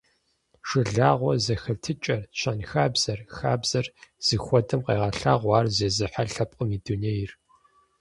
Жылагъуэ зэхэтыкӀэр, щэнхабзэр, хабзэр зыхуэдэм къегъэлъагъуэ ар зезыхьэ лъэпкъым и дунейр.